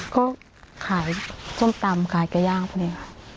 ก็ขายส้มตำขายกระย้างพวกนี้